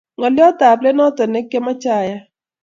Kong'olyot ap let notok ne kiamoche ayai